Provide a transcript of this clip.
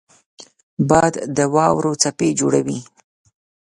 باد د واورو څپې جوړوي